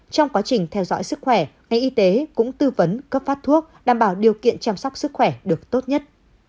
trong quá trình theo dõi sức khỏe ngành y tế cũng tư vấn cấp phát thuốc đảm bảo điều kiện chăm sóc sức khỏe được tốt nhất